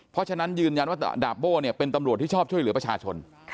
เพราะฉะนั้นยืนยันว่าดาบโบ้เนี่ยเป็นตำรวจที่ชอบช่วยเหลือประชาชน